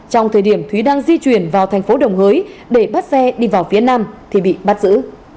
trong thời điểm thúy đang di chuyển vào thành phố đồng hới để bắt xe đi vào phía nam thì bị bắt giữ